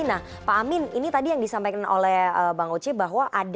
nah pak amin ini tadi yang disampaikan oleh bang oce bahwa ada